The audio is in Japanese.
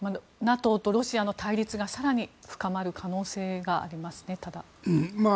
ＮＡＴＯとロシアの対立が更に深まる可能性がありますね。